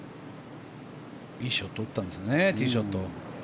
いいショット打ったんですねティーショット。